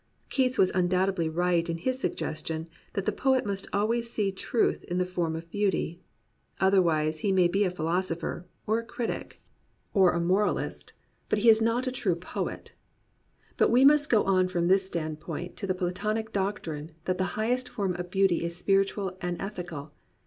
Keats was undoubtedly right in his suggestion that the poet must always see truth in the form of beauty. Otherwise he may be a philosopher, or a critic, or a * Joseph Addison, 1712. 59 COMPANIONABLE BOOKS moralist, but he is not a true poet. But we must go on from this standpoint to the Platonic doctrine that the highest form of beauty is spiritual and ethical.